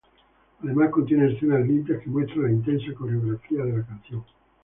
Además contiene escenas limpias que muestran la intensa coreografía de la canción.